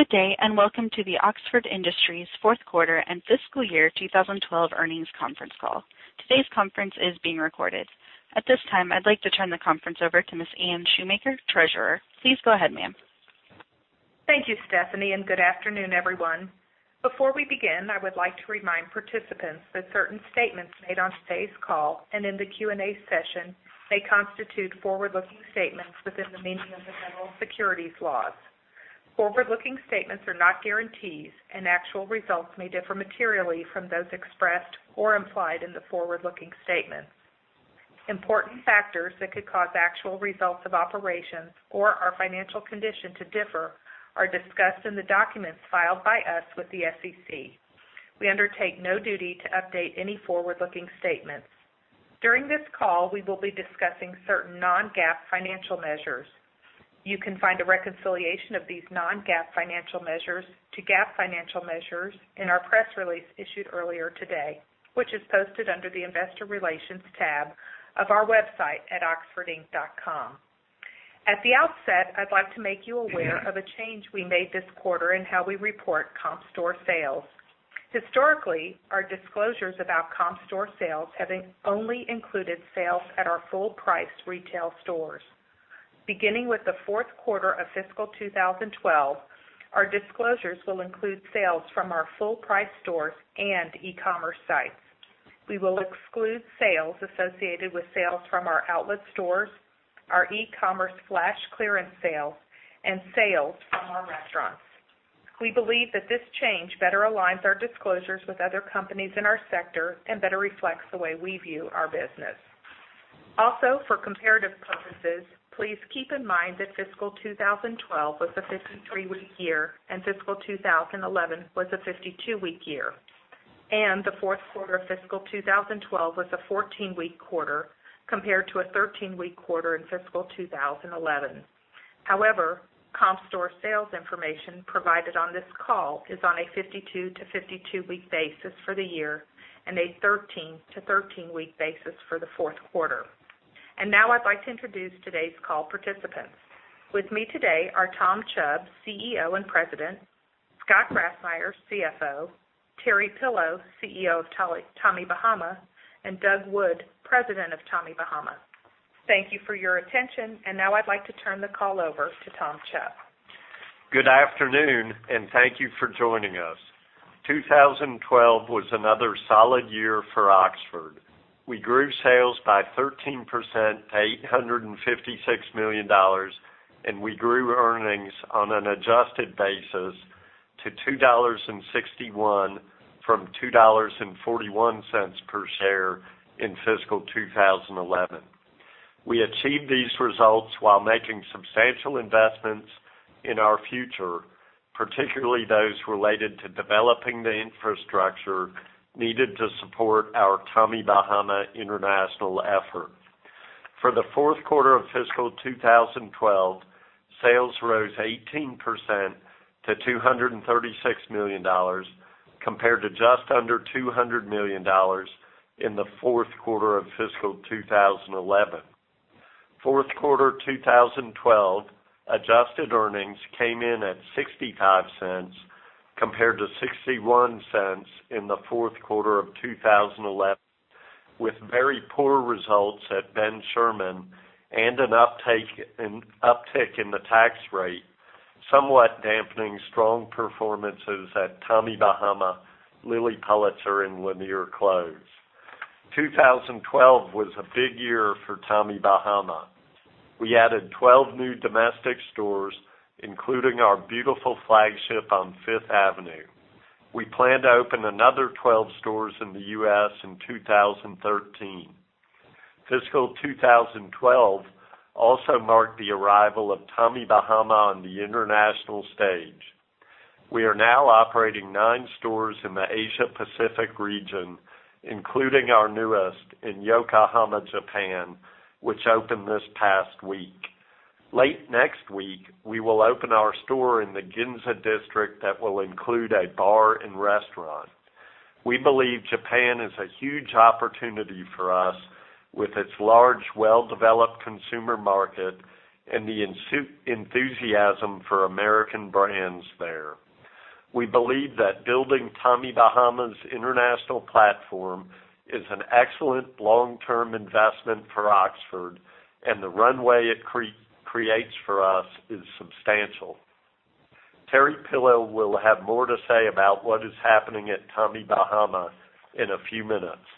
Good day, welcome to the Oxford Industries fourth quarter and fiscal year 2012 earnings conference call. Today's conference is being recorded. At this time, I'd like to turn the conference over to Ms. Anne Shoemaker, Treasurer. Please go ahead, ma'am. Thank you, Stephanie, good afternoon, everyone. Before we begin, I would like to remind participants that certain statements made on today's call and in the Q&A session may constitute forward-looking statements within the meaning of the federal securities laws. Forward-looking statements are not guarantees, actual results may differ materially from those expressed or implied in the forward-looking statements. Important factors that could cause actual results of operations or our financial condition to differ are discussed in the documents filed by us with the SEC. We undertake no duty to update any forward-looking statements. During this call, we will be discussing certain non-GAAP financial measures. You can find a reconciliation of these non-GAAP financial measures to GAAP financial measures in our press release issued earlier today, which is posted under the investor relations tab of our website at oxfordinc.com. At the outset, I'd like to make you aware of a change we made this quarter in how we report comp store sales. Historically, our disclosures about comp store sales have only included sales at our full-price retail stores. Beginning with the fourth quarter of fiscal 2012, our disclosures will include sales from our full-price stores and e-commerce sites. We will exclude sales associated with sales from our outlet stores, our e-commerce flash clearance sales from our restaurants. We believe that this change better aligns our disclosures with other companies in our sector and better reflects the way we view our business. Also, for comparative purposes, please keep in mind that fiscal 2012 was a 53-week year fiscal 2011 was a 52-week year, the fourth quarter of fiscal 2012 was a 14-week quarter compared to a 13-week quarter in fiscal 2011. However, comp store sales information provided on this call is on a 52-to-52-week basis for the year a 13-to-13-week basis for the fourth quarter. Now I'd like to introduce today's call participants. With me today are Tom Chubb, Chief Executive Officer and President, Scott Grassmyer, Chief Financial Officer, Terry Pillow, Chief Executive Officer of Tommy Bahama, Doug Wood, President of Tommy Bahama. Thank you for your attention. Now I'd like to turn the call over to Tom Chubb. Good afternoon, and thank you for joining us. 2012 was another solid year for Oxford. We grew sales by 13% to $856 million, and we grew earnings on an adjusted basis to $2.61 from $2.41 per share in fiscal 2011. We achieved these results while making substantial investments in our future, particularly those related to developing the infrastructure needed to support our Tommy Bahama international effort. For the fourth quarter of fiscal 2012, sales rose 18% to $236 million compared to just under $200 million in the fourth quarter of fiscal 2011. Fourth quarter 2012 adjusted earnings came in at $0.65 compared to $0.61 in the fourth quarter of 2011, with very poor results at Ben Sherman and an uptick in the tax rate, somewhat dampening strong performances at Tommy Bahama, Lilly Pulitzer, and Lanier Clothes. 2012 was a big year for Tommy Bahama. We added 12 new domestic stores, including our beautiful flagship on Fifth Avenue. We plan to open another 12 stores in the U.S. in 2013. Fiscal 2012 also marked the arrival of Tommy Bahama on the international stage. We are now operating nine stores in the Asia Pacific region, including our newest in Yokohama, Japan, which opened this past week. Late next week, we will open our store in the Ginza district that will include a bar and restaurant. We believe Japan is a huge opportunity for us with its large, well-developed consumer market and the enthusiasm for American brands there. We believe that building Tommy Bahama's international platform is an excellent long-term investment for Oxford, and the runway it creates for us is substantial. Terry Pillow will have more to say about what is happening at Tommy Bahama in a few minutes.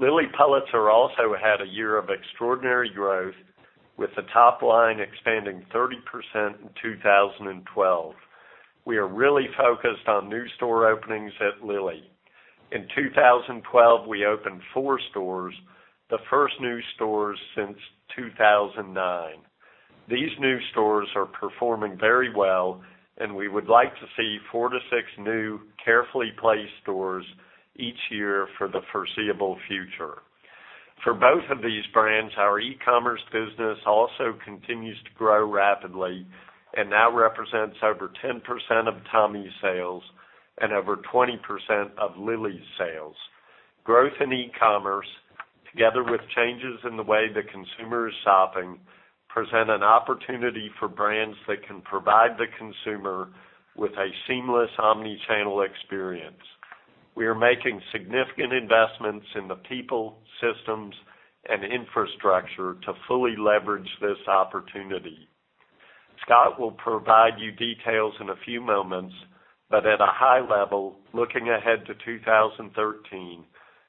Lilly Pulitzer also had a year of extraordinary growth, with the top line expanding 30% in 2012. We are really focused on new store openings at Lilly. In 2012, we opened four stores, the first new stores since 2009. These new stores are performing very well, and we would like to see four to six new carefully placed stores each year for the foreseeable future. For both of these brands, our e-commerce business also continues to grow rapidly and now represents over 10% of Tommy's sales and over 20% of Lilly's sales. Growth in e-commerce together with changes in the way the consumer is shopping, present an opportunity for brands that can provide the consumer with a seamless omni-channel experience. We are making significant investments in the people, systems, and infrastructure to fully leverage this opportunity. Scott will provide you details in a few moments. At a high level, looking ahead to 2013,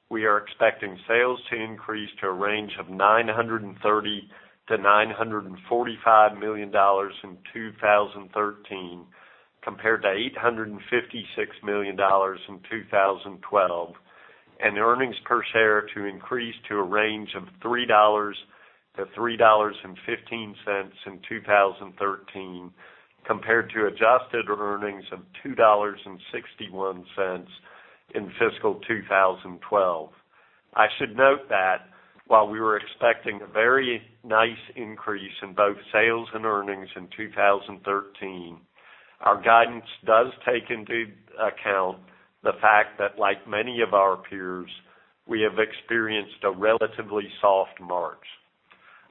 we are expecting sales to increase to a range of $930 million-$945 million in 2013, compared to $856 million in 2012. Earnings per share to increase to a range of $3-$3.15 in 2013 compared to adjusted earnings of $2.61 in fiscal 2012. I should note that while we were expecting a very nice increase in both sales and earnings in 2013, our guidance does take into account the fact that like many of our peers, we have experienced a relatively soft March.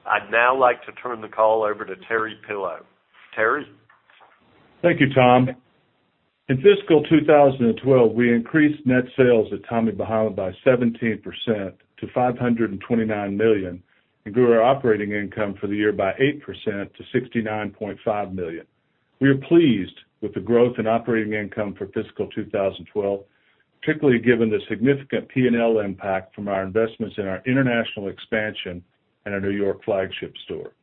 I'd now like to turn the call over to Terry Pillow. Terry? Thank you, Tom. In fiscal 2012, we increased net sales at Tommy Bahama by 17% to $529 million, and grew our operating income for the year by 8% to $69.5 million. We are pleased with the growth in operating income for fiscal 2012, particularly given the significant P&L impact from our investments in our international expansion and our New York flagship store.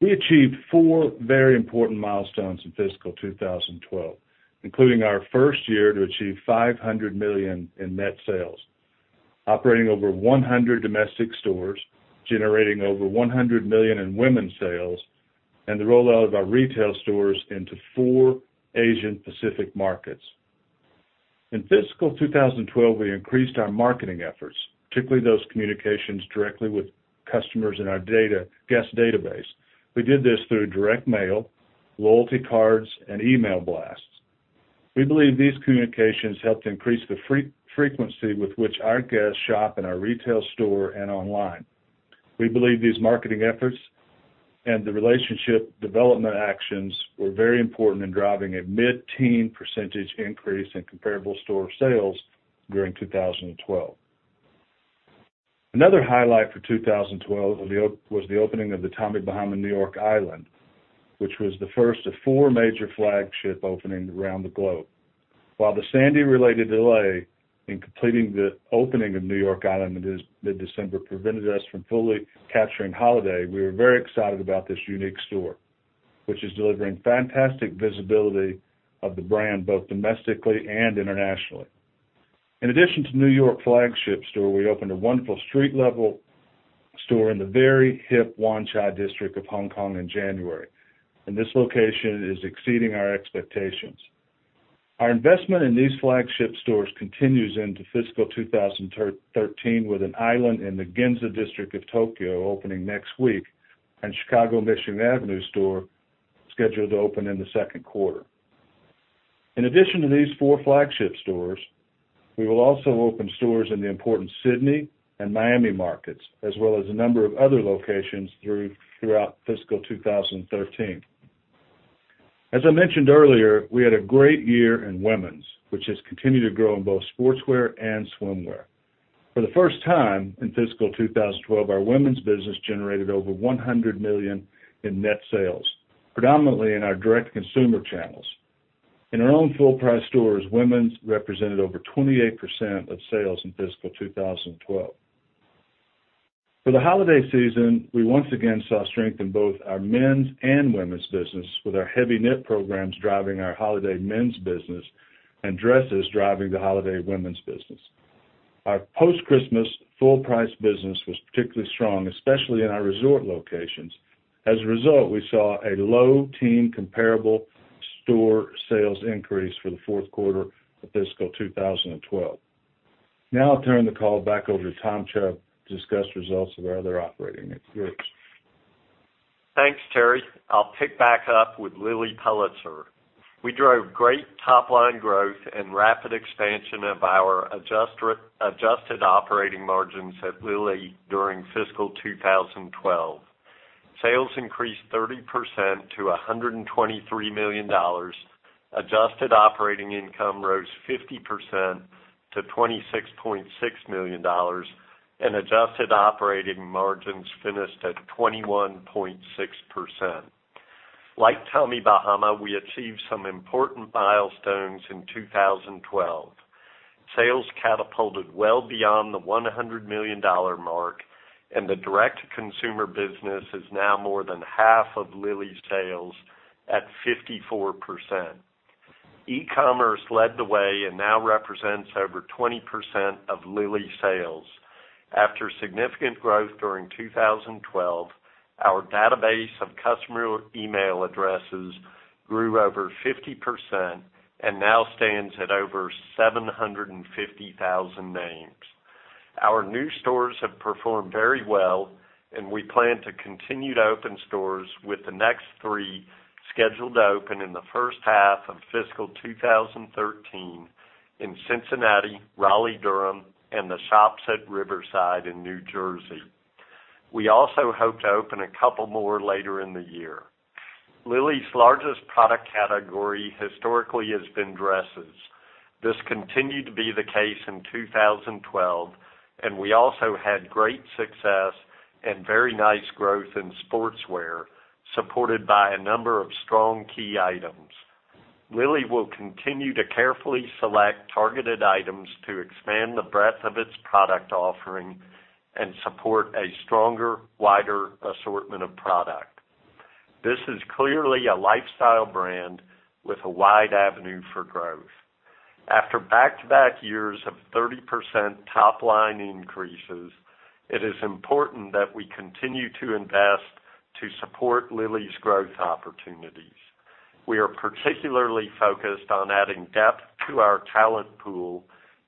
We achieved four very important milestones in fiscal 2012, including our first year to achieve $500 million in net sales, operating over 100 domestic stores, generating over $100 million in women's sales, and the rollout of our retail stores into four Asian Pacific markets. In fiscal 2012, we increased our marketing efforts, particularly those communications directly with customers in our guest database. We did this through direct mail, loyalty cards, and email blasts. We believe these communications helped increase the frequency with which our guests shop in our retail store and online. We believe these marketing efforts and the relationship development actions were very important in driving a mid-teen percentage increase in comparable store sales during 2012. Another highlight for 2012 was the opening of the Tommy Bahama New York Island, which was the first of four major flagship openings around the globe. While the Sandy-related delay in completing the opening of New York Island in this mid-December prevented us from fully capturing holiday, we are very excited about this unique store, which is delivering fantastic visibility of the brand, both domestically and internationally. In addition to New York flagship store, we opened a wonderful street-level store in the very hip Wan Chai district of Hong Kong in January, this location is exceeding our expectations. Our investment in these flagship stores continues into fiscal 2013 with an island in the Ginza district of Tokyo opening next week, Chicago Michigan Avenue store scheduled to open in the second quarter. In addition to these four flagship stores, we will also open stores in the important Sydney and Miami markets, as well as a number of other locations throughout fiscal 2013. As I mentioned earlier, we had a great year in women's, which has continued to grow in both sportswear and swimwear. For the first time in fiscal 2012, our women's business generated over $100 million in net sales, predominantly in our direct consumer channels. In our own full-price stores, women's represented over 28% of sales in fiscal 2012. For the holiday season, we once again saw strength in both our men's and women's business with our heavy knit programs driving our holiday men's business and dresses driving the holiday women's business. Our post-Christmas full-price business was particularly strong, especially in our resort locations. As a result, we saw a low teen comparable store sales increase for the fourth quarter of fiscal 2012. I'll turn the call back over to Tom Chubb to discuss results of our other operating groups. Thanks, Terry. I'll pick back up with Lilly Pulitzer. We drove great top-line growth and rapid expansion of our adjusted operating margins at Lilly during fiscal 2012. Sales increased 30% to $123 million. Adjusted operating income rose 50% to $26.6 million, and adjusted operating margins finished at 21.6%. Like Tommy Bahama, we achieved some important milestones in 2012. Sales catapulted well beyond the $100 million mark, and the direct-to-consumer business is now more than half of Lilly's sales at 54%. E-commerce led the way and now represents over 20% of Lilly sales. After significant growth during 2012, our database of customer email addresses grew over 50% and now stands at over 750,000 names. Our new stores have performed very well. We plan to continue to open stores with the next three scheduled to open in the first half of fiscal 2013 in Cincinnati, Raleigh-Durham, and The Shops At Riverside in New Jersey. We also hope to open a couple more later in the year. Lilly's largest product category historically has been dresses. This continued to be the case in 2012, and we also had great success and very nice growth in sportswear, supported by a number of strong key items. Lilly will continue to carefully select targeted items to expand the breadth of its product offering and support a stronger, wider assortment of product. This is clearly a lifestyle brand with a wide avenue for growth. After back-to-back years of 30% top-line increases, it is important that we continue to invest to support Lilly's growth opportunities. We are particularly focused on adding depth to our talent pool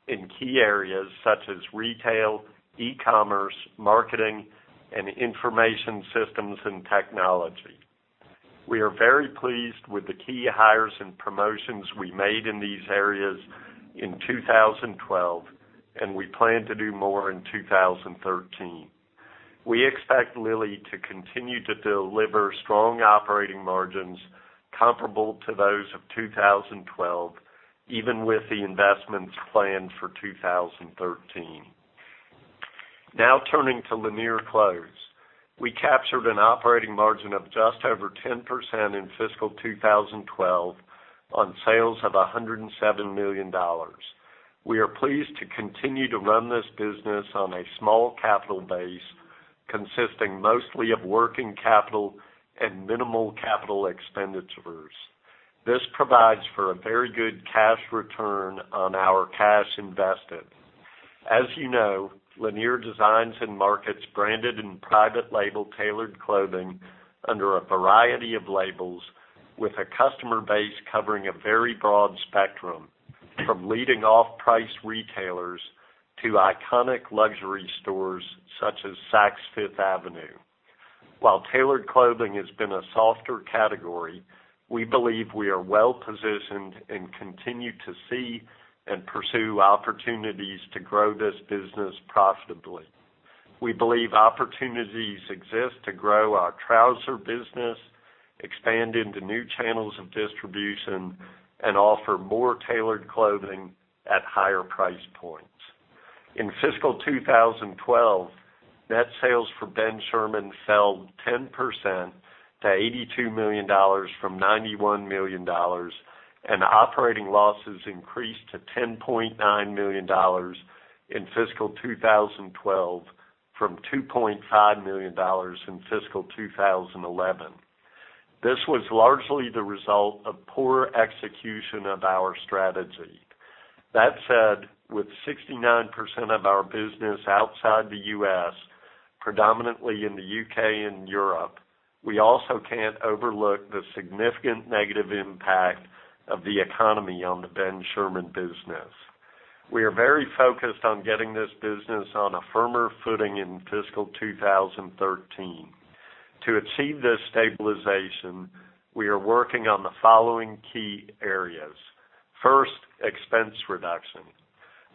in key areas such as retail, e-commerce, marketing, and information systems and technology. We are very pleased with the key hires and promotions we made in these areas in 2012, and we plan to do more in 2013. We expect Lilly to continue to deliver strong operating margins comparable to those of 2012, even with the investments planned for 2013. Now turning to Lanier Clothes. We captured an operating margin of just over 10% in fiscal 2012 on sales of $107 million. We are pleased to continue to run this business on a small capital base consisting mostly of working capital and minimal capital expenditures. This provides for a very good cash return on our cash invested. As you know, Lanier designs and markets branded and private label tailored clothing under a variety of labels with a customer base covering a very broad spectrum, from leading off-price retailers to iconic luxury stores such as Saks Fifth Avenue. While tailored clothing has been a softer category, we believe we are well-positioned and continue to see and pursue opportunities to grow this business profitably. We believe opportunities exist to grow our trouser business, expand into new channels of distribution, and offer more tailored clothing at higher price points. In fiscal 2012, net sales for Ben Sherman fell 10% to $82 million from $91 million, and operating losses increased to $10.9 million in fiscal 2012 from $2.5 million in fiscal 2011. This was largely the result of poor execution of our strategy. With 69% of our business outside the U.S., predominantly in the U.K. and Europe, we also can't overlook the significant negative impact of the economy on the Ben Sherman business. We are very focused on getting this business on a firmer footing in fiscal 2013. To achieve this stabilization, we are working on the following key areas. First, expense reduction.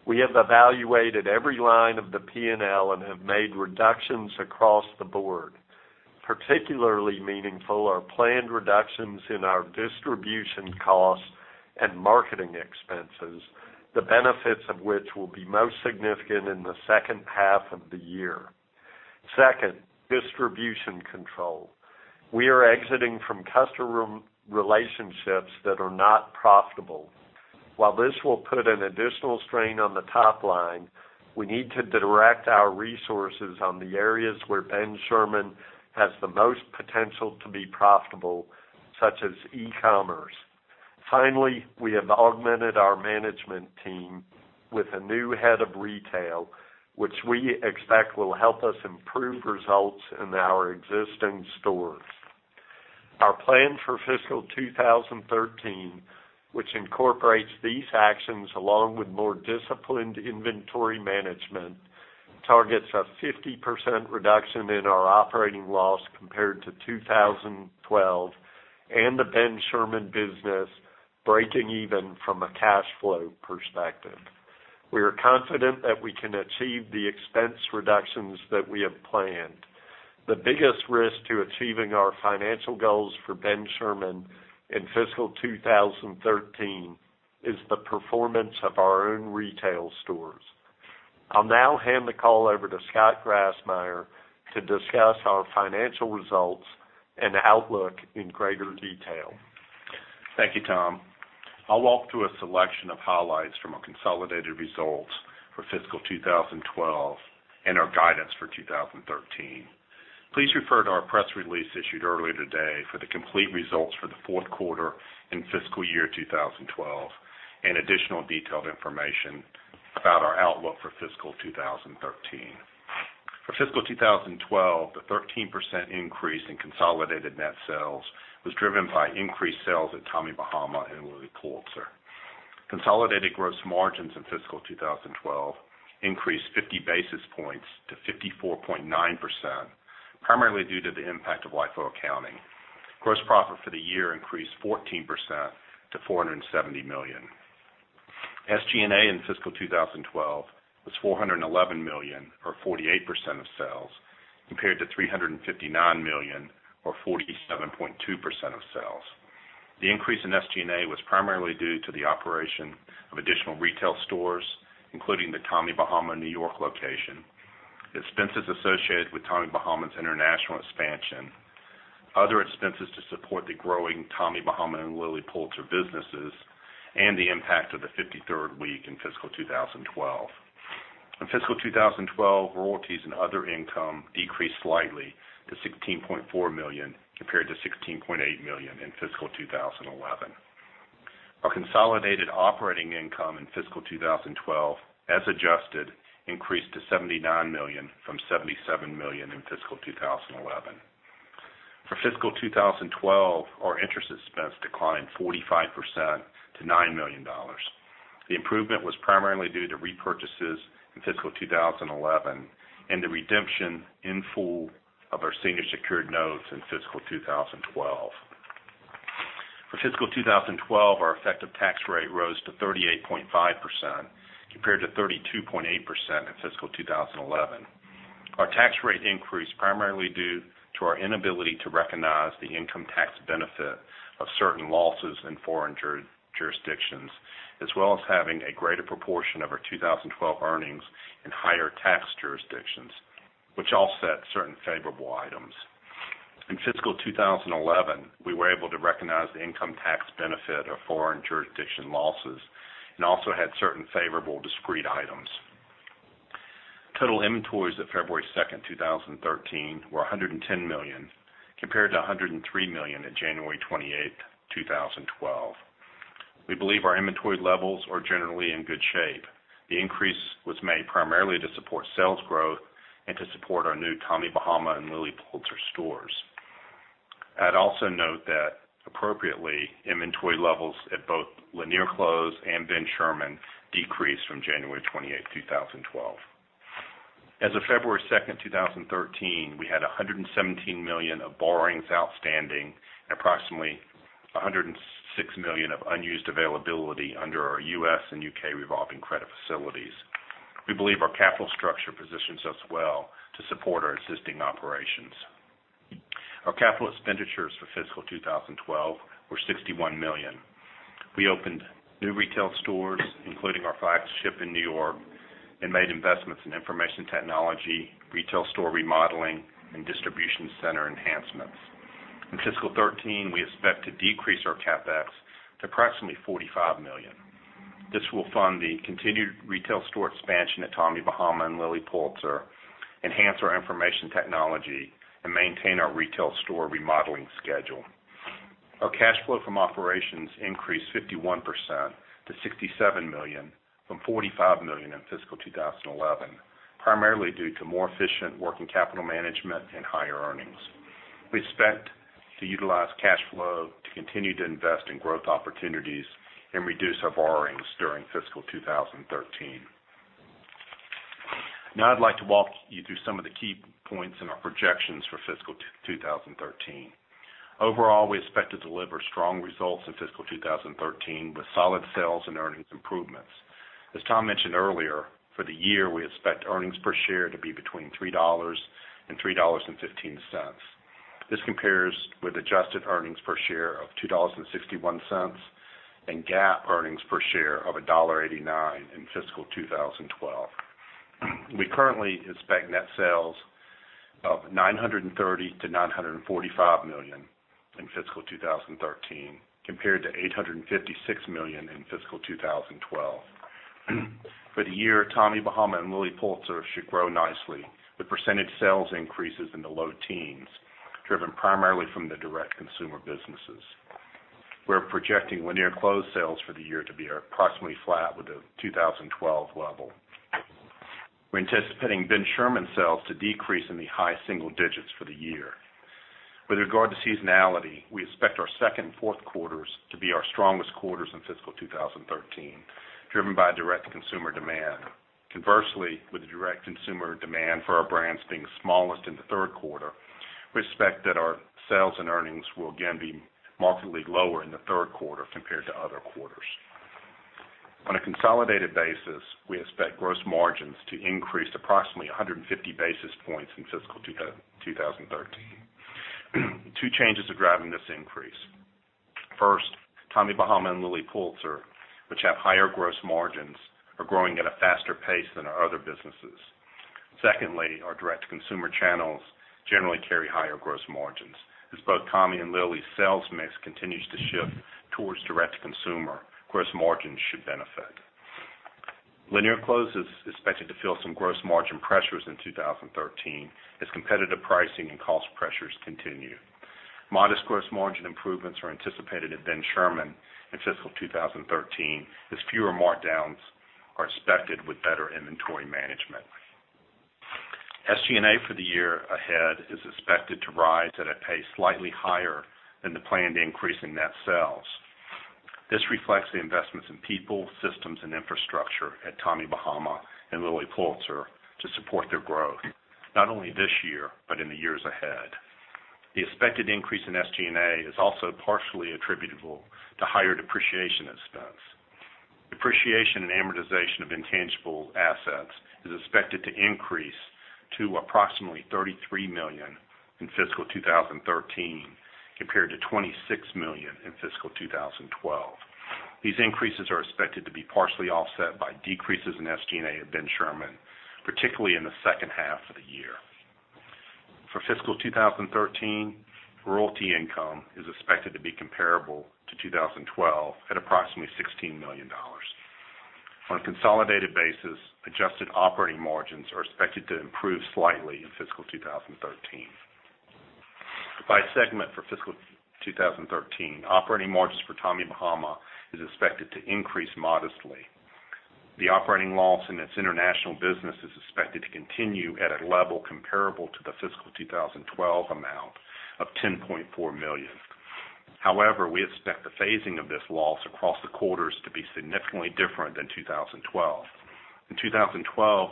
We have evaluated every line of the P&L and have made reductions across the board. Particularly meaningful are planned reductions in our distribution costs and marketing expenses, the benefits of which will be most significant in the second half of the year. Second, distribution control. We are exiting from customer relationships that are not profitable. While this will put an additional strain on the top line, we need to direct our resources on the areas where Ben Sherman has the most potential to be profitable, such as e-commerce. We have augmented our management team with a new head of retail, which we expect will help us improve results in our existing stores. Our plan for fiscal 2013, which incorporates these actions along with more disciplined inventory management, targets a 50% reduction in our operating loss compared to 2012 and the Ben Sherman business breaking even from a cash flow perspective. We are confident that we can achieve the expense reductions that we have planned. The biggest risk to achieving our financial goals for Ben Sherman in fiscal 2013 is the performance of our own retail stores. I'll now hand the call over to Scott Grassmyer to discuss our financial results and outlook in greater detail. Thank you, Tom. I'll walk through a selection of highlights from our consolidated results for fiscal 2012 and our guidance for 2013. Please refer to our press release issued earlier today for the complete results for the fourth quarter and fiscal year 2012, and additional detailed information about our outlook for fiscal 2013. For fiscal 2012, the 13% increase in consolidated net sales was driven by increased sales at Tommy Bahama and Lilly Pulitzer. Consolidated gross margins in fiscal 2012 increased 50 basis points to 54.9%, primarily due to the impact of LIFO accounting. Gross profit for the year increased 14% to $470 million. SG&A in fiscal 2012 was $411 million or 48% of sales, compared to $359 million or 47.2% of sales. The increase in SG&A was primarily due to the operation of additional retail stores, including the Tommy Bahama New York location, expenses associated with Tommy Bahama's international expansion, other expenses to support the growing Tommy Bahama and Lilly Pulitzer businesses, and the impact of the 53rd week in fiscal 2012. In fiscal 2012, royalties and other income decreased slightly to $16.4 million, compared to $16.8 million in fiscal 2011. Our consolidated operating income in fiscal 2012, as adjusted, increased to $79 million from $77 million in fiscal 2011. For fiscal 2012, our interest expense declined 45% to $9 million. The improvement was primarily due to repurchases in fiscal 2011 and the redemption in full of our senior secured notes in fiscal 2012. For fiscal 2012, our effective tax rate rose to 38.5%, compared to 32.8% in fiscal 2011. Our tax rate increased primarily due to our inability to recognize the income tax benefit of certain losses in foreign jurisdictions, as well as having a greater proportion of our 2012 earnings in higher tax jurisdictions, which offset certain favorable items. In fiscal 2011, we were able to recognize the income tax benefit of foreign jurisdiction losses and also had certain favorable discrete items. Total inventories at February 2nd, 2013, were $110 million, compared to $103 million in January 28th, 2012. We believe our inventory levels are generally in good shape. The increase was made primarily to support sales growth and to support our new Tommy Bahama and Lilly Pulitzer stores. I'd also note that appropriately, inventory levels at both Lanier Clothes and Ben Sherman decreased from January 28th, 2012. As of February 2nd, 2013, we had $117 million of borrowings outstanding and approximately $106 million of unused availability under our U.S. and U.K. revolving credit facilities. We believe our capital structure positions us well to support our existing operations. Our capital expenditures for fiscal 2012 were $61 million. We opened new retail stores, including our flagship in New York, and made investments in information technology, retail store remodeling, and distribution center enhancements. In fiscal 2013, we expect to decrease our CapEx to approximately $45 million. This will fund the continued retail store expansion at Tommy Bahama and Lilly Pulitzer, enhance our information technology, and maintain our retail store remodeling schedule. Our cash flow from operations increased 51% to $67 million, from $45 million in fiscal 2011, primarily due to more efficient working capital management and higher earnings. We expect to utilize cash flow to continue to invest in growth opportunities and reduce our borrowings during fiscal 2013. I'd like to walk you through some of the key points in our projections for fiscal 2013. Overall, we expect to deliver strong results in fiscal 2013 with solid sales and earnings improvements. As Tom mentioned earlier, for the year, we expect earnings per share to be between $3 and $3.15. This compares with adjusted earnings per share of $2.61 and GAAP earnings per share of $1.89 in fiscal 2012. We currently expect net sales of $930 million-$945 million in fiscal 2013, compared to $856 million in fiscal 2012. For the year, Tommy Bahama and Lilly Pulitzer should grow nicely, with percentage sales increases in the low teens, driven primarily from the direct-to-consumer businesses. We're projecting Lanier Clothes sales for the year to be approximately flat with the 2012 level. We're anticipating Ben Sherman sales to decrease in the high single digits for the year. With regard to seasonality, we expect our second and fourth quarters to be our strongest quarters in fiscal 2013, driven by direct consumer demand. Conversely, with the direct consumer demand for our brands being smallest in the third quarter, we expect that our sales and earnings will again be markedly lower in the third quarter compared to other quarters. On a consolidated basis, we expect gross margins to increase approximately 150 basis points in fiscal 2013. Two changes are driving this increase. First, Tommy Bahama and Lilly Pulitzer, which have higher gross margins, are growing at a faster pace than our other businesses. Secondly, our direct consumer channels generally carry higher gross margins. As both Tommy and Lilly's sales mix continues to shift towards direct-to-consumer, gross margins should benefit. Lanier Clothes is expected to feel some gross margin pressures in 2013 as competitive pricing and cost pressures continue. Modest gross margin improvements are anticipated at Ben Sherman in fiscal 2013, as fewer markdowns are expected with better inventory management. SG&A for the year ahead is expected to rise at a pace slightly higher than the planned increase in net sales. This reflects the investments in people, systems, and infrastructure at Tommy Bahama and Lilly Pulitzer to support their growth, not only this year but in the years ahead. The expected increase in SG&A is also partially attributable to higher depreciation expense. Depreciation and amortization of intangible assets is expected to increase to approximately $33 million in fiscal 2013, compared to $26 million in fiscal 2012. These increases are expected to be partially offset by decreases in SG&A at Ben Sherman, particularly in the second half of the year. For fiscal 2013, royalty income is expected to be comparable to 2012 at approximately $16 million. On a consolidated basis, adjusted operating margins are expected to improve slightly in fiscal 2013. By segment for fiscal 2013, operating margins for Tommy Bahama is expected to increase modestly. The operating loss in its international business is expected to continue at a level comparable to the fiscal 2012 amount of $10.4 million. However, we expect the phasing of this loss across the quarters to be significantly different than 2012. In 2012,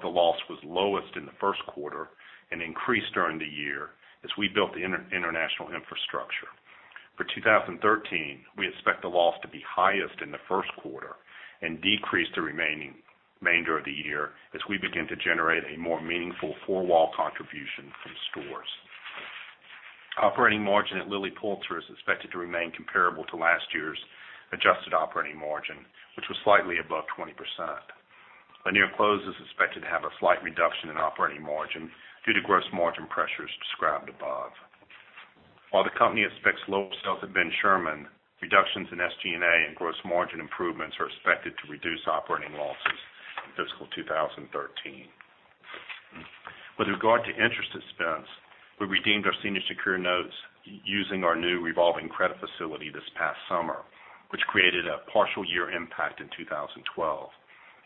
the loss was lowest in the first quarter and increased during the year as we built the international infrastructure. For 2013, we expect the loss to be highest in the first quarter and decrease the remainder of the year as we begin to generate a more meaningful four-wall contribution from stores. Operating margin at Lilly Pulitzer is expected to remain comparable to last year's adjusted operating margin, which was slightly above 20%. Lanier Clothes is expected to have a slight reduction in operating margin due to gross margin pressures described above. While the company expects low sales at Ben Sherman, reductions in SG&A and gross margin improvements are expected to reduce operating losses in fiscal 2013. With regard to interest expense, we redeemed our senior secured notes using our new revolving credit facility this past summer, which created a partial year impact in 2012.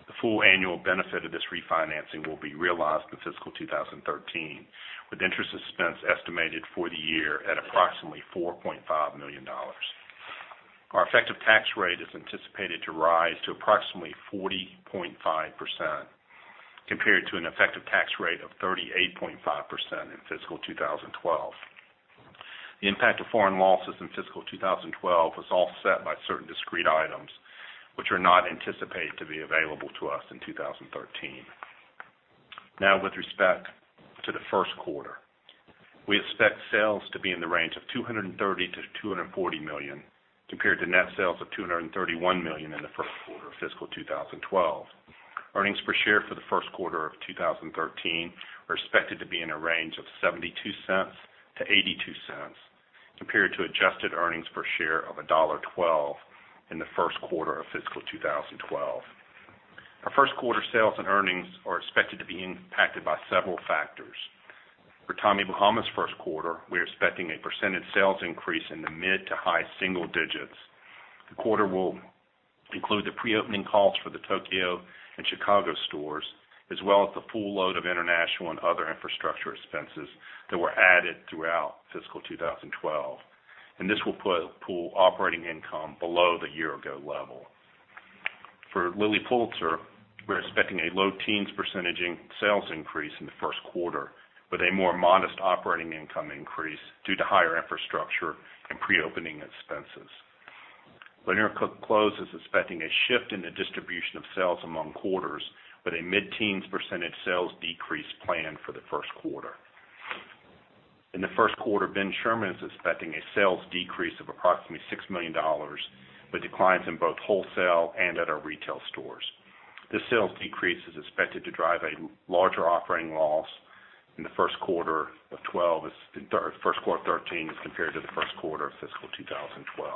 The full annual benefit of this refinancing will be realized in fiscal 2013, with interest expense estimated for the year at approximately $4.5 million. Our effective tax rate is anticipated to rise to approximately 40.5%, compared to an effective tax rate of 38.5% in fiscal 2012. The impact of foreign losses in fiscal 2012 was offset by certain discrete items, which are not anticipated to be available to us in 2013. Now with respect to the first quarter. We expect sales to be in the range of $230 million-$240 million, compared to net sales of $231 million in the first quarter of fiscal 2012. Earnings per share for the first quarter of 2013 are expected to be in a range of $0.72 to $0.82, compared to adjusted earnings per share of $1.12 in the first quarter of fiscal 2012. Our first quarter sales and earnings are expected to be impacted by several factors. For Tommy Bahama's first quarter, we're expecting a percentage sales increase in the mid to high single digits. The quarter will include the pre-opening costs for the Tokyo and Chicago stores, as well as the full load of international and other infrastructure expenses that were added throughout fiscal 2012. This will pull operating income below the year-ago level. For Lilly Pulitzer, we're expecting a low teens % sales increase in the first quarter, with a more modest operating income increase due to higher infrastructure and pre-opening expenses. Lanier Clothes is expecting a shift in the distribution of sales among quarters, with a mid-teens % sales decrease planned for the first quarter. In the first quarter, Ben Sherman is expecting a sales decrease of approximately $6 million, with declines in both wholesale and at our retail stores. This sales decrease is expected to drive a larger operating loss in the first quarter of 2013 as compared to the first quarter of fiscal 2012.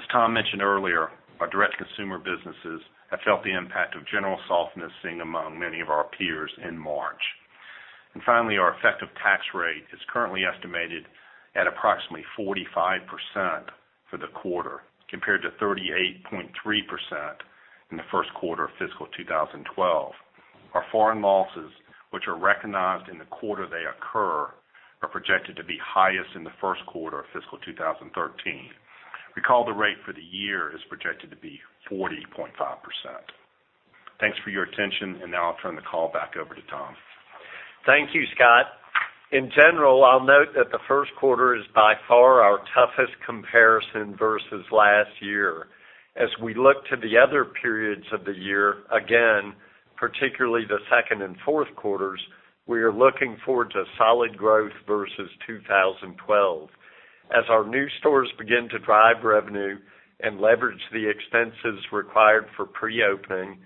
As Tom mentioned earlier, our direct-to-consumer businesses have felt the impact of general softness seen among many of our peers in March. Finally, our effective tax rate is currently estimated at approximately 45% for the quarter, compared to 38.3% in the first quarter of fiscal 2012. Our foreign losses, which are recognized in the quarter they occur, are projected to be highest in the first quarter of fiscal 2013. Recall the rate for the year is projected to be 40.5%. Thanks for your attention, and now I'll turn the call back over to Tom. Thank you, Scott. In general, I'll note that the first quarter is by far our toughest comparison versus last year. As we look to the other periods of the year, again, particularly the second and fourth quarters, we are looking forward to solid growth versus 2012. As our new stores begin to drive revenue and leverage the expenses required for pre-opening,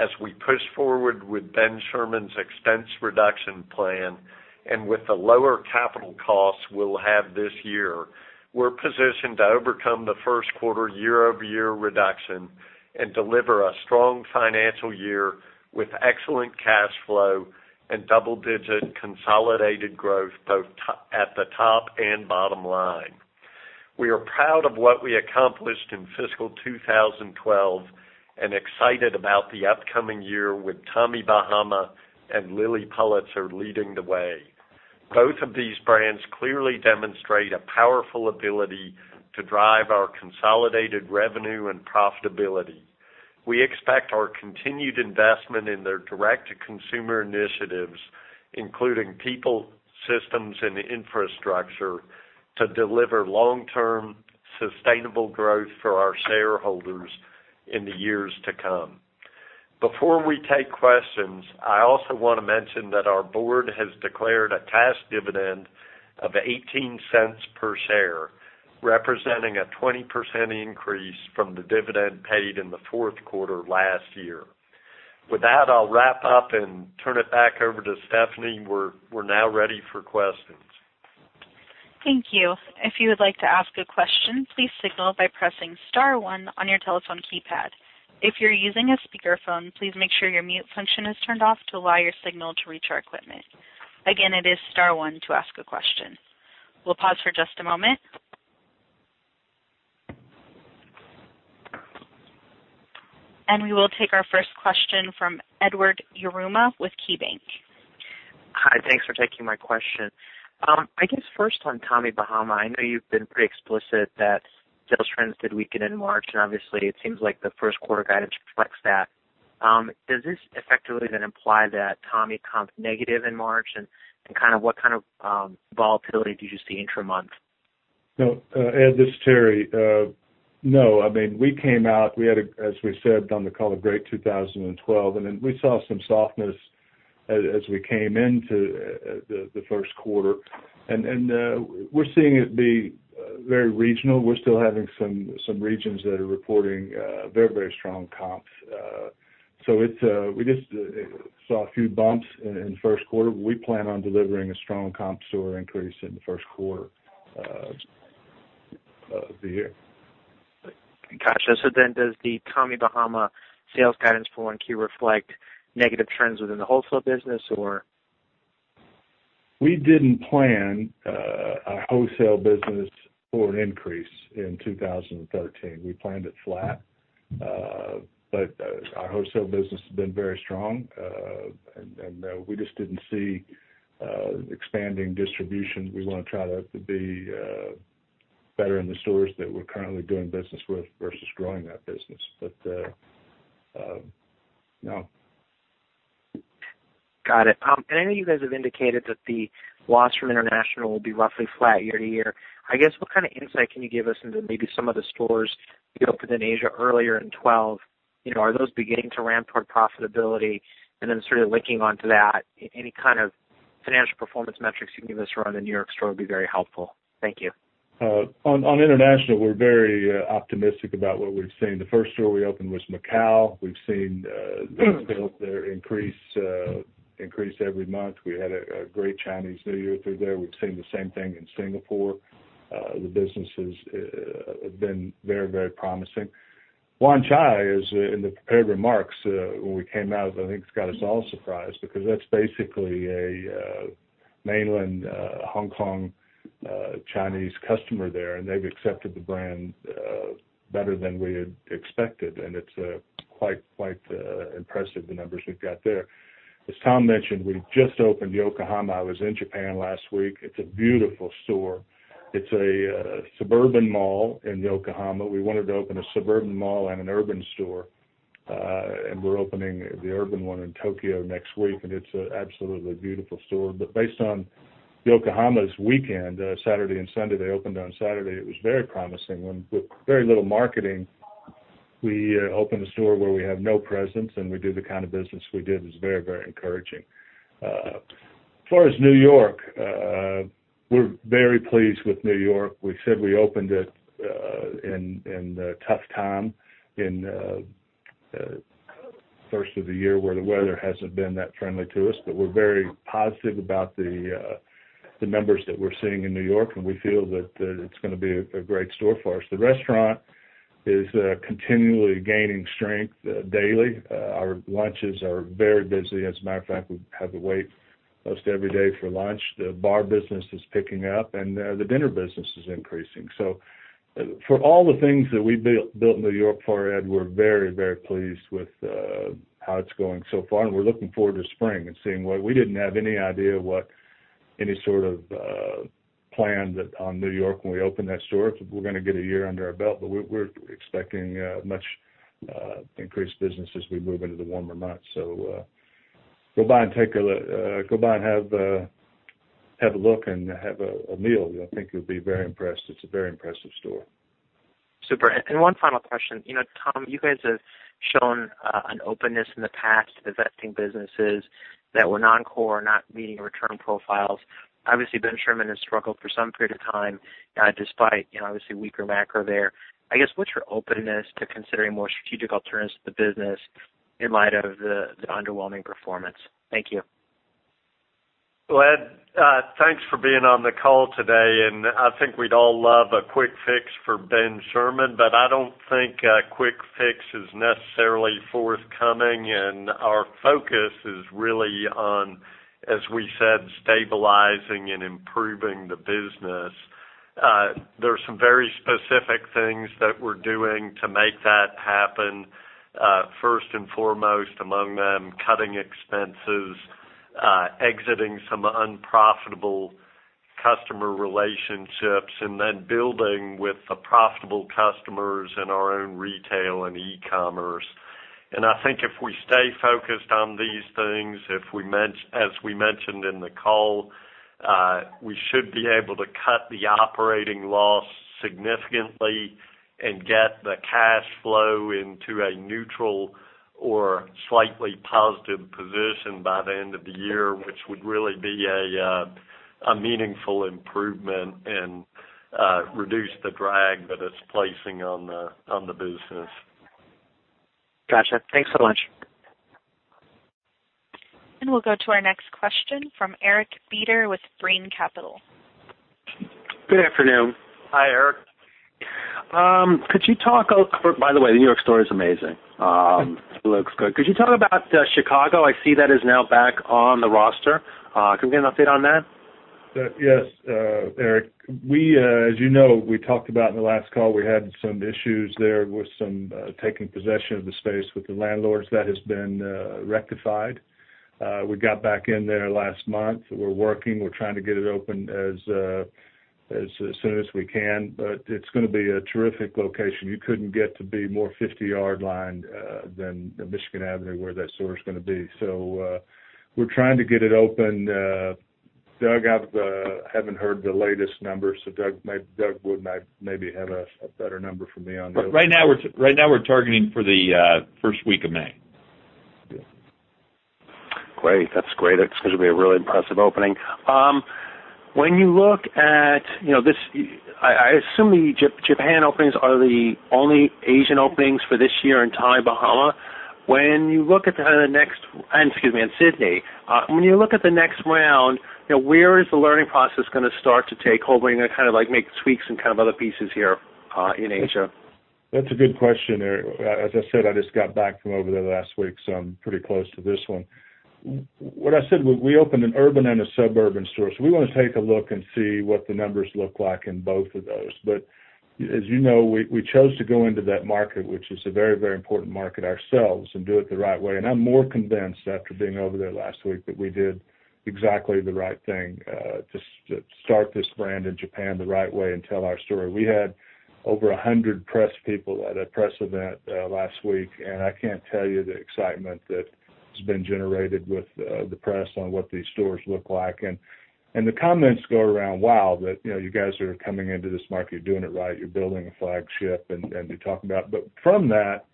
as we push forward with Ben Sherman's expense reduction plan, and with the lower capital costs we'll have this year, we're positioned to overcome the first quarter year-over-year reduction and deliver a strong financial year with excellent cash flow and double-digit consolidated growth both at the top and bottom line. We are proud of what we accomplished in fiscal 2012 and excited about the upcoming year with Tommy Bahama and Lilly Pulitzer leading the way. Both of these brands clearly demonstrate a powerful ability to drive our consolidated revenue and profitability. We expect our continued investment in their direct-to-consumer initiatives, including people, systems, and infrastructure, to deliver long-term sustainable growth for our shareholders in the years to come. Before we take questions, I also want to mention that our board has declared a cash dividend of $0.18 per share, representing a 20% increase from the dividend paid in the fourth quarter last year. With that, I'll wrap up and turn it back over to Stephanie. We're now ready for questions. Thank you. If you would like to ask a question, please signal by pressing star one on your telephone keypad. If you're using a speakerphone, please make sure your mute function is turned off to allow your signal to reach our equipment. Again, it is star one to ask a question. We'll pause for just a moment. We will take our first question from Edward Yruma with KeyBanc. Hi, thanks for taking my question. I guess first on Tommy Bahama, I know you've been pretty explicit that sales trends did weaken in March, obviously it seems like the first quarter guidance reflects that. Does this effectively imply that Tommy comp negative in March, what kind of volatility do you see intra-month? No. Ed, this is Terry. No. We came out, as we said on the call, a great 2012, then we saw some softness as we came into the first quarter. We're seeing it be very regional. We're still having some regions that are reporting very strong comps. We just saw a few bumps in the first quarter. We plan on delivering a strong comps store increase in the first quarter of the year. Got you. Does the Tommy Bahama sales guidance for 1Q reflect negative trends within the wholesale business, or? We didn't plan a wholesale business for an increase in 2013. We planned it flat. Our wholesale business has been very strong. No, we just didn't see expanding distribution. We want to try to be better in the stores that we're currently doing business with versus growing that business. No. Got it. I know you guys have indicated that the loss from international will be roughly flat year-to-year. I guess what kind of insight can you give us into maybe some of the stores you opened in Asia earlier in 2012? Are those beginning to ramp toward profitability? Then sort of linking onto that, any kind of financial performance metrics you can give us around the New York store would be very helpful. Thank you. On international, we're very optimistic about what we've seen. The first store we opened was Macau. We've seen their increase every month. We had a great Chinese New Year through there. We've seen the same thing in Singapore. The business has been very promising. Wan Chai is in the prepared remarks. When we came out, I think it's got us all surprised because that's basically a mainland Hong Kong Chinese customer there, and they've accepted the brand better than we had expected, and it's quite impressive, the numbers we've got there. As Tom mentioned, we just opened Yokohama. I was in Japan last week. It's a beautiful store. It's a suburban mall in Yokohama. We wanted to open a suburban mall and an urban store, and we're opening the urban one in Tokyo next week, and it's an absolutely beautiful store. Based on Yokohama's weekend, Saturday and Sunday, they opened on Saturday, it was very promising. With very little marketing, we opened a store where we have no presence, and we do the kind of business we did. It was very encouraging. As far as New York, we're very pleased with New York. We said we opened it in a tough time in the first of the year where the weather hasn't been that friendly to us, but we're very positive about the numbers that we're seeing in New York, and we feel that it's going to be a great store for us. The restaurant is continually gaining strength daily. Our lunches are very busy. As a matter of fact, we have to wait most every day for lunch. The bar business is picking up, and the dinner business is increasing. For all the things that we built in N.Y. for Ed, we're very pleased with how it's going so far, and we're looking forward to spring and seeing what We didn't have any idea what any sort of plan that on N.Y. when we opened that store. We're going to get a year under our belt, but we're expecting much increased business as we move into the warmer months. Go by and have a look and have a meal. I think you'll be very impressed. It's a very impressive store. Super. One final question. Tom, you guys have shown an openness in the past to divesting businesses that were non-core, not meeting return profiles. Obviously, Ben Sherman has struggled for some period of time despite obviously weaker macro there. I guess, what's your openness to considering more strategic alternatives to the business in light of the underwhelming performance? Thank you. Well, Ed, thanks for being on the call today. I think we'd all love a quick fix for Ben Sherman, but I don't think a quick fix is necessarily forthcoming, and our focus is really on As we said, stabilizing and improving the business. There's some very specific things that we're doing to make that happen. First and foremost among them, cutting expenses, exiting some unprofitable customer relationships, and then building with the profitable customers in our own retail and e-commerce. I think if we stay focused on these things, as we mentioned in the call, we should be able to cut the operating loss significantly and get the cash flow into a neutral or slightly positive position by the end of the year, which would really be a meaningful improvement and reduce the drag that it's placing on the business. Got you. Thanks so much. We'll go to our next question from Eric Beder with Brean Capital. Good afternoon. Hi, Eric. By the way, the New York store is amazing. Thank you. It looks good. Could you talk about Chicago? I see that is now back on the roster. Can we get an update on that? Yes, Eric. As you know, we talked about in the last call, we had some issues there with some taking possession of the space with the landlords. That has been rectified. We got back in there last month. We're working. We're trying to get it open as soon as we can, but it's going to be a terrific location. You couldn't get to be more 50-yard lined than Michigan Avenue, where that store is going to be. We're trying to get it open. Doug, I haven't heard the latest numbers, Doug Wood might maybe have a better number for me on that. Right now we're targeting for the first week of May. Yeah. Great. That's great. It's going to be a really impressive opening. I assume the Japan openings are the only Asian openings for this year in Macau, Bahamas, and Sydney. When you look at the next round, where is the learning process going to start to take hold? Are you going to make tweaks and other pieces here in Asia? That's a good question, Eric. As I said, I just got back from over there last week, so I'm pretty close to this one. What I said, we opened an urban and a suburban store. We want to take a look and see what the numbers look like in both of those. As you know, we chose to go into that market, which is a very, very important market ourselves, and do it the right way. I'm more convinced after being over there last week that we did exactly the right thing to start this brand in Japan the right way and tell our story. We had over 100 press people at a press event last week, and I can't tell you the excitement that has been generated with the press on what these stores look like. The comments go around, "Wow, you guys are coming into this market, you're doing it right, you're building a flagship," and they talk about From that,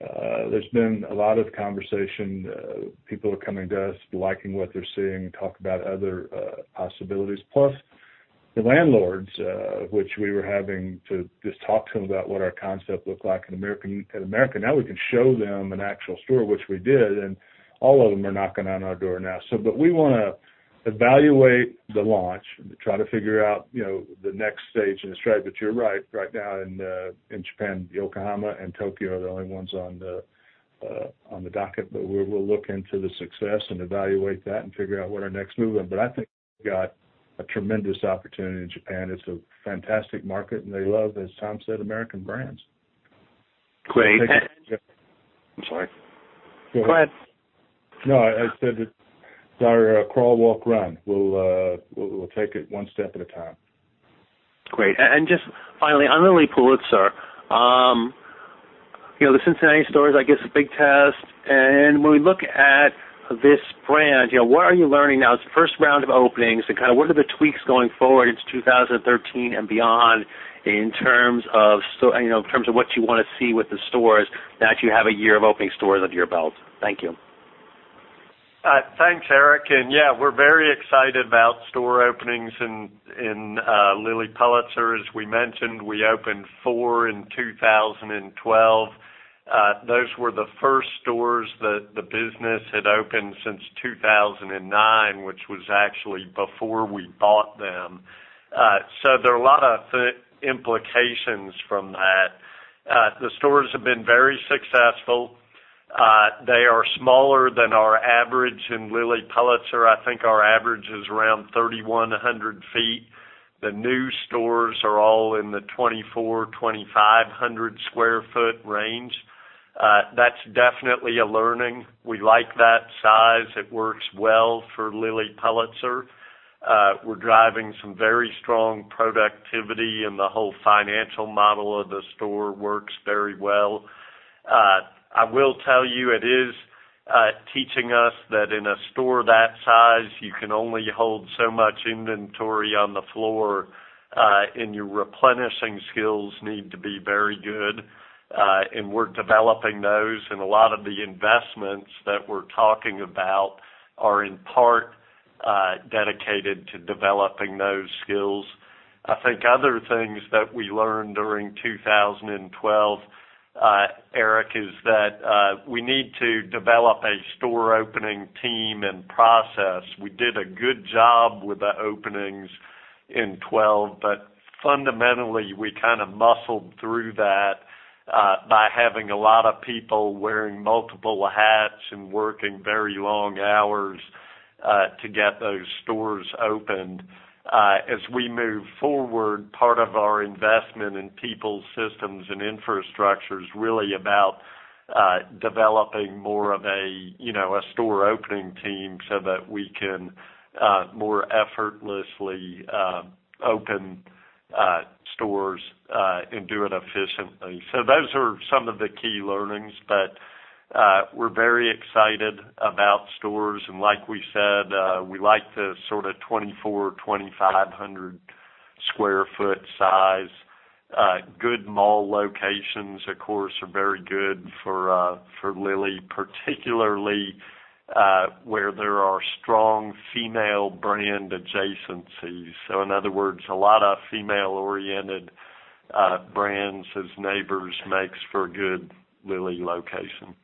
there's been a lot of conversation. People are coming to us, liking what they're seeing, and talk about other possibilities. The landlords which we were having to just talk to them about what our concept looked like in America. Now we can show them an actual store, which we did, and all of them are knocking on our door now. We want to evaluate the launch and try to figure out the next stage in Australia. You're right. Right now in Japan, Yokohama and Tokyo are the only ones on the docket. We'll look into the success and evaluate that and figure out what our next move is. I think we've got a tremendous opportunity in Japan. It's a fantastic market. They love, as Tom said, American brands. Great. We'll take it- I'm sorry. Go ahead. No, I said that our crawl, walk, run. We'll take it one step at a time. Great. Just finally, on Lilly Pulitzer, the Cincinnati store is, I guess, a big test. When we look at this brand, what are you learning now? It's the first round of openings, what are the tweaks going forward into 2013 and beyond in terms of what you want to see with the stores now that you have a year of opening stores under your belt? Thank you. Thanks, Eric. Yeah, we're very excited about store openings in Lilly Pulitzer. As we mentioned, we opened four in 2012. Those were the first stores that the business had opened since 2009, which was actually before we bought them. There are a lot of implications from that. The stores have been very successful. They are smaller than our average in Lilly Pulitzer. I think our average is around 3,100 feet. The new stores are all in the 2,400-2,500 square foot range. That's definitely a learning. We like that size. It works well for Lilly Pulitzer. We're driving some very strong productivity and the whole financial model of the store works very well. I will tell you, it is teaching us that in a store that size, you can only hold so much inventory on the floor, and your replenishing skills need to be very good. We're developing those. A lot of the investments that we're talking about are in part dedicated to developing those skills. I think other things that we learned during 2012, Eric, is that we need to develop a store opening team and process. We did a good job with the openings in 2012, but fundamentally, we kind of muscled through that by having a lot of people wearing multiple hats and working very long hours to get those stores opened. As we move forward, part of our investment in people's systems and infrastructure is really about developing more of a store opening team so that we can more effortlessly open stores and do it efficiently. Those are some of the key learnings. We're very excited about stores. Like we said, we like the sort of 2,400 or 2,500 square foot size. Good mall locations, of course, are very good for Lilly, particularly where there are strong female brand adjacencies. In other words, a lot of female-oriented brands as neighbors makes for a good Lilly location. Great. Thank you.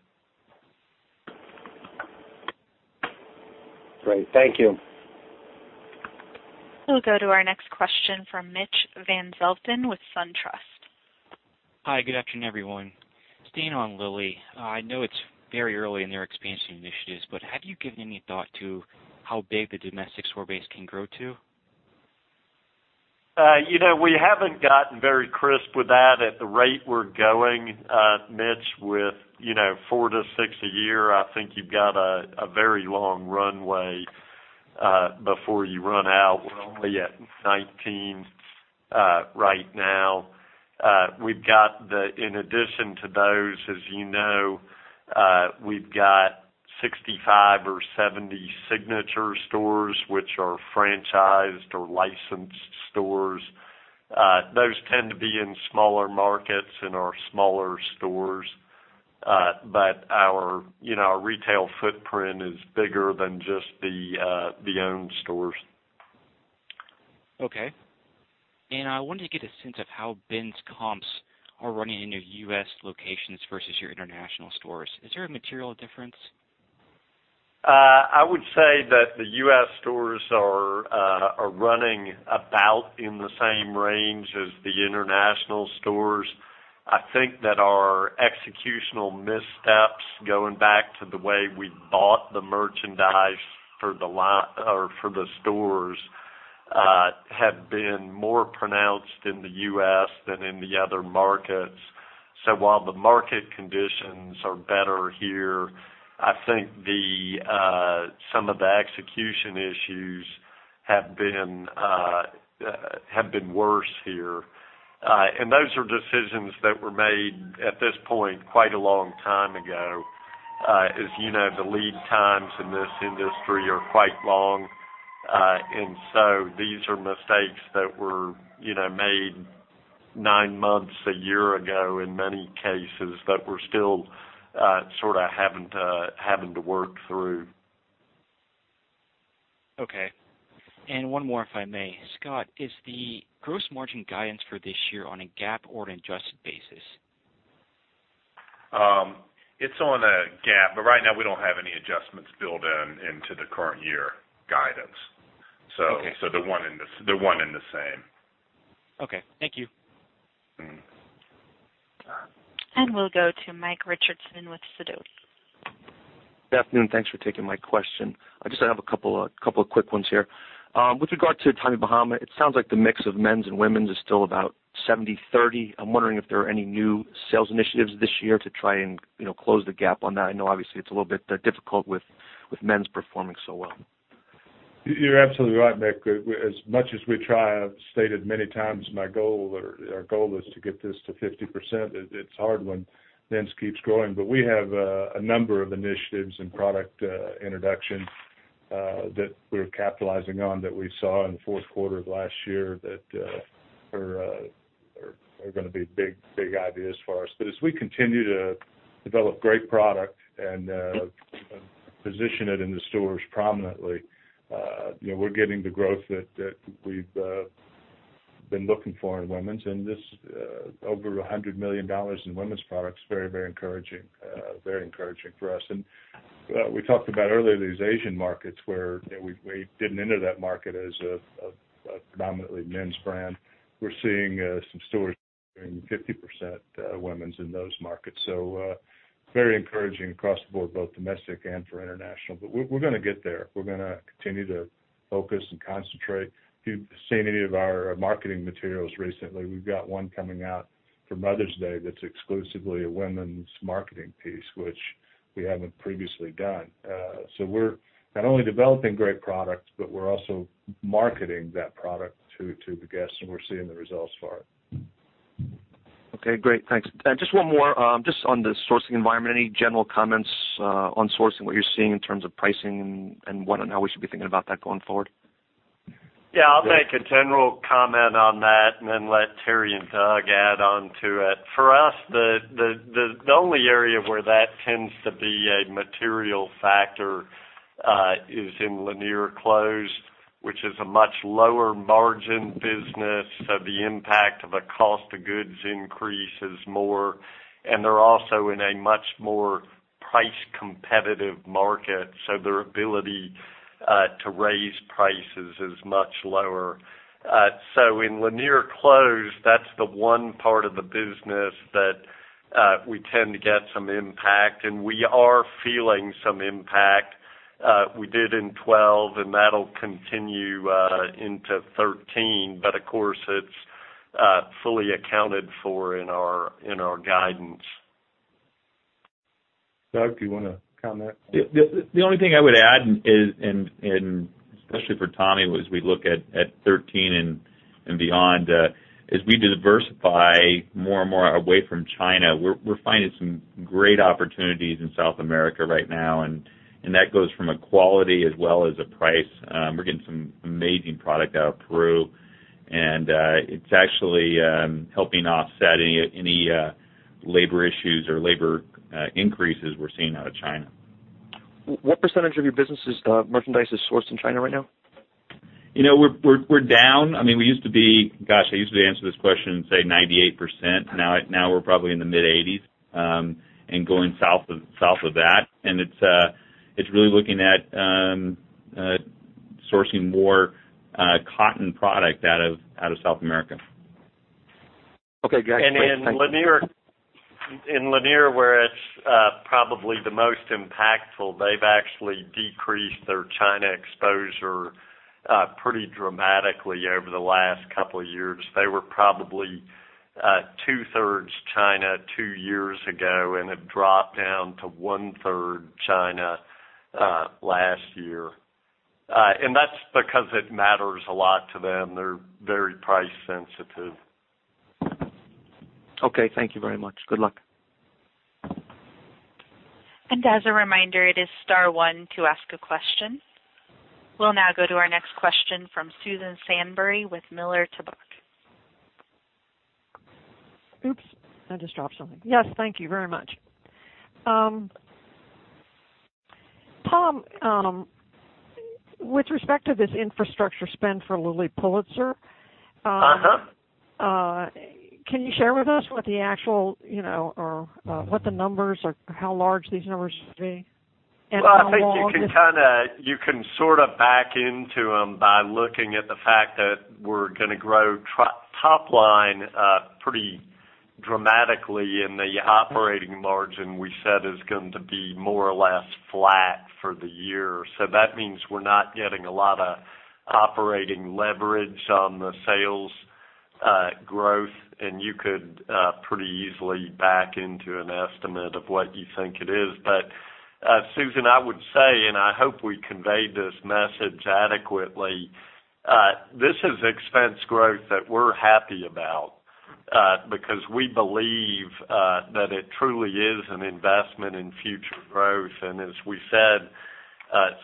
We'll go to our next question from Mitch Van Zelfden with SunTrust. Hi, good afternoon, everyone. Staying on Lilly. I know it's very early in your expansion initiatives, have you given any thought to how big the domestic store base can grow to? We haven't gotten very crisp with that. At the rate we're going, Mitch, with four to six a year, I think you've got a very long runway before you run out. We're only at 19 right now. In addition to those, as you know, we've got 65 or 70 signature stores, which are franchised or licensed stores. Those tend to be in smaller markets and are smaller stores. Our retail footprint is bigger than just the owned stores. Okay. I wanted to get a sense of how Ben's comps are running in your U.S. locations versus your international stores. Is there a material difference? I would say that the U.S. stores are running about in the same range as the international stores. I think that our executional missteps, going back to the way we bought the merchandise for the stores have been more pronounced in the U.S. than in the other markets. While the market conditions are better here, I think some of the execution issues have been worse here. Those are decisions that were made, at this point, quite a long time ago. As you know, the lead times in this industry are quite long. These are mistakes that were made nine months, a year ago in many cases that we're still sort of having to work through. Okay. One more, if I may. Scott, is the gross margin guidance for this year on a GAAP or an adjusted basis? It's on a GAAP, right now, we don't have any adjustments built into the current year guidance. Okay. They're one and the same. Okay, thank you. We'll go to Mike Richardson with Sidoti. Good afternoon. Thanks for taking my question. I just have a couple of quick ones here. With regard to Tommy Bahama, it sounds like the mix of men's and women's is still about 70/30. I'm wondering if there are any new sales initiatives this year to try and close the gap on that. I know obviously it's a little bit difficult with men's performing so well. You're absolutely right, Mike. As much as we try, I've stated many times my goal or our goal is to get this to 50%. It's hard when men's keeps growing. We have a number of initiatives and product introductions that we're capitalizing on that we saw in the fourth quarter of last year that are gonna be big ideas for us. As we continue to develop great product and position it in the stores prominently, we're getting the growth that we've been looking for in women's. This over $100 million in women's products is very encouraging for us. We talked about earlier, these Asian markets where we didn't enter that market as a predominantly men's brand. We're seeing some stores doing 50% women's in those markets. Very encouraging across the board, both domestic and for international. We're gonna get there. We're gonna continue to focus and concentrate. If you've seen any of our marketing materials recently, we've got one coming out for Mother's Day that's exclusively a women's marketing piece, which we haven't previously done. We're not only developing great products, but we're also marketing that product to the guests, and we're seeing the results for it. Okay, great. Thanks. Just one more. Just on the sourcing environment, any general comments on sourcing, what you're seeing in terms of pricing and what and how we should be thinking about that going forward? Yeah, I'll make a general comment on that and then let Terry and Doug add on to it. For us, the only area where that tends to be a material factor is in Lanier Clothes, which is a much lower margin business, so the impact of a cost of goods increase is more. They're also in a much more price competitive market, so their ability to raise prices is much lower. In Lanier Clothes, that's the one part of the business that we tend to get some impact, and we are feeling some impact. We did in 2012, and that'll continue into 2013. Of course, it's fully accounted for in our guidance. Doug, do you want to comment? The only thing I would add, especially for Tommy, was we look at 2013 and beyond. As we diversify more and more away from China, we're finding some great opportunities in South America right now, and that goes from a quality as well as a price. We're getting some amazing product out of Peru, and it's actually helping offset any labor issues or labor increases we're seeing out of China. What percentage of your business' merchandise is sourced in China right now? We're down. Gosh, I used to be able to answer this question and say 98%. Now we're probably in the mid-80s, going south of that. It's really looking at sourcing more cotton product out of South America. Okay, guys. Great. Thank you. In Lanier, where it's probably the most impactful, they've actually decreased their China exposure pretty dramatically over the last couple of years. They were probably two-thirds China two years ago and have dropped down to one-third China last year. That's because it matters a lot to them. They're very price sensitive. Okay, thank you very much. Good luck. As a reminder, it is star one to ask a question. We'll now go to our next question from Susan Anderson with Miller Tabak. Oops. I just dropped something. Yes, thank you very much. Tom, with respect to this infrastructure spend for Lilly Pulitzer- can you share with us what the numbers or how large these numbers will be? how long Well, I think you can sort of back into them by looking at the fact that we're going to grow top line pretty dramatically, the operating margin we said is going to be more or less flat for the year. That means we're not getting a lot of operating leverage on the sales growth, and you could pretty easily back into an estimate of what you think it is. Susan, I would say, and I hope we conveyed this message adequately, this is expense growth that we're happy about because we believe that it truly is an investment in future growth. As we said,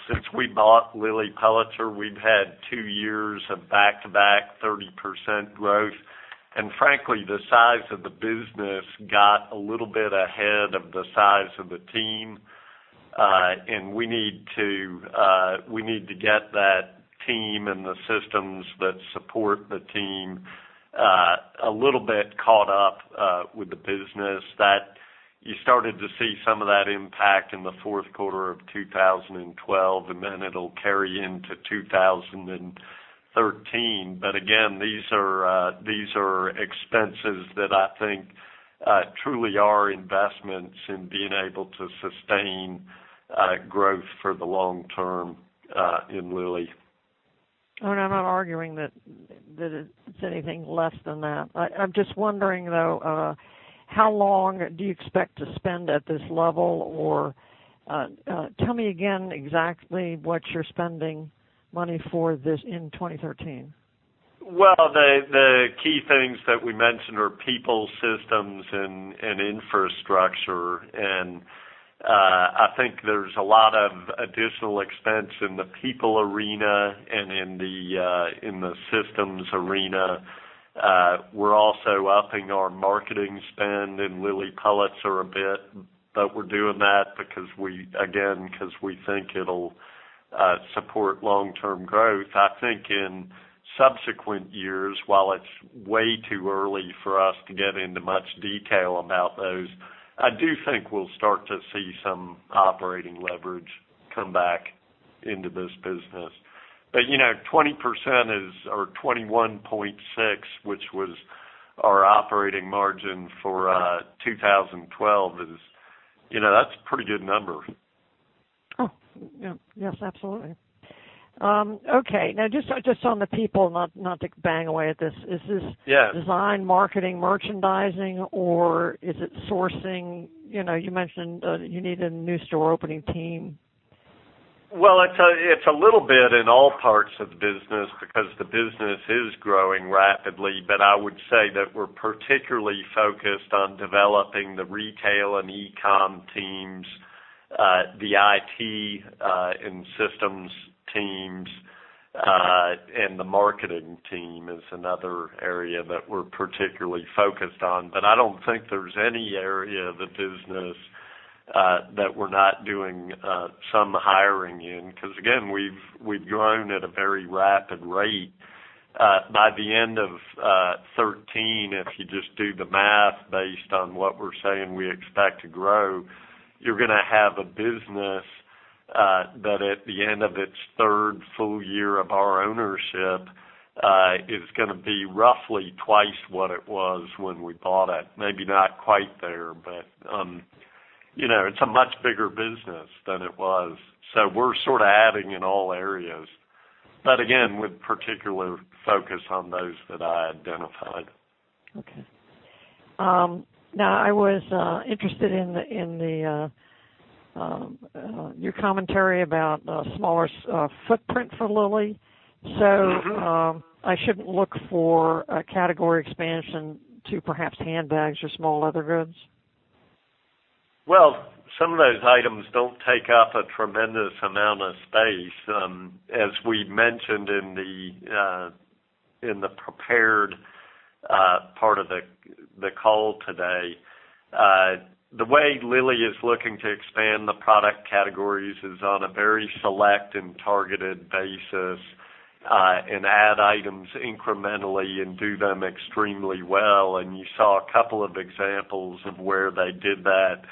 since we bought Lilly Pulitzer, we've had two years of back-to-back 30% growth. Frankly, the size of the business got a little bit ahead of the size of the team. We need to get that team and the systems that support the team a little bit caught up with the business that you started to see some of that impact in the fourth quarter of 2012, and then it'll carry into 2013. Again, these are expenses that I think truly are investments in being able to sustain growth for the long term in Lilly. Oh, no, I'm not arguing that it's anything less than that. I'm just wondering, though, how long do you expect to spend at this level? Tell me again exactly what you're spending money for this in 2013. Well, the key things that we mentioned are people, systems, and infrastructure. I think there's a lot of additional expense in the people arena and in the systems arena. We're also upping our marketing spend in Lilly Pulitzer a bit, we're doing that, again, because we think it'll support long-term growth. I think in subsequent years, while it's way too early for us to get into much detail about those, I do think we'll start to see some operating leverage come back into this business. 20% or 21.6%, which was our operating margin for 2012, that's a pretty good number. Oh. Yes, absolutely. Okay. Now, just on the people, not to bang away at this, is this? Yes Design, marketing, merchandising, or is it sourcing? You mentioned you need a new store opening team. Well, it's a little bit in all parts of the business because the business is growing rapidly. I would say that we're particularly focused on developing the retail and e-com teams, the IT and systems teams, and the marketing team is another area that we're particularly focused on. I don't think there's any area of the business that we're not doing some hiring in, because again, we've grown at a very rapid rate. By the end of 2013, if you just do the math based on what we're saying we expect to grow, you're going to have a business that at the end of its third full year of our ownership is going to be roughly twice what it was when we bought it. Maybe not quite there. It's a much bigger business than it was. We're sort of adding in all areas. Again, with particular focus on those that I identified. I was interested in your commentary about a smaller footprint for Lilly. I shouldn't look for a category expansion to perhaps handbags or small leather goods? Some of those items don't take up a tremendous amount of space. As we mentioned in the prepared part of the call today. The way Lilly is looking to expand the product categories is on a very select and targeted basis, and add items incrementally and do them extremely well. You saw a couple of examples of where they did that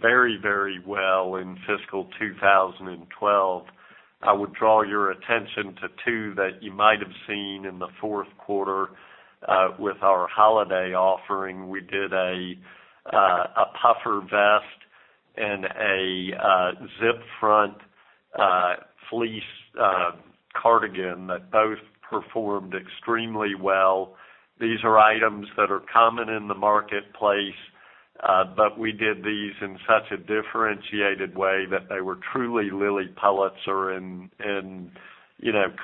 very well in fiscal 2012. I would draw your attention to two that you might have seen in the fourth quarter with our holiday offering. We did a puffer vest and a zip-front fleece cardigan that both performed extremely well. These are items that are common in the marketplace. We did these in such a differentiated way that they were truly Lilly Pulitzer and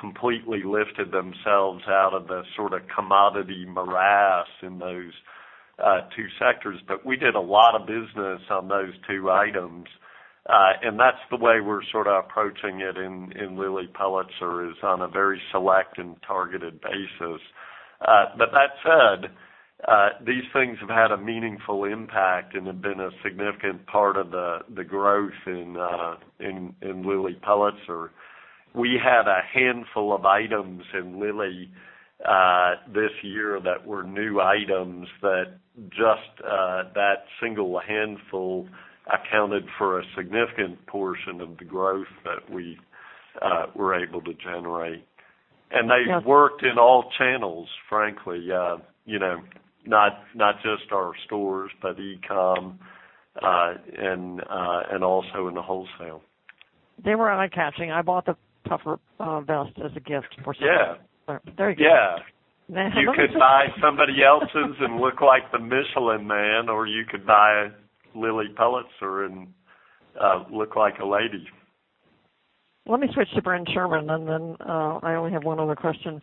completely lifted themselves out of the commodity morass in those two sectors. We did a lot of business on those two items. That's the way we're sort of approaching it in Lilly Pulitzer, is on a very select and targeted basis. That said, these things have had a meaningful impact and have been a significant part of the growth in Lilly Pulitzer. We had a handful of items in Lilly this year that were new items, that just that single handful accounted for a significant portion of the growth that we were able to generate. They've worked in all channels, frankly. Not just our stores, but e-com, and also in the wholesale. They were eye-catching. I bought the puffer vest as a gift for someone. Yeah. There you go. Yeah. You could buy somebody else's and look like the Michelin Man, or you could buy Lilly Pulitzer and look like a lady. Let me switch to Ben Sherman. Then I only have one other question.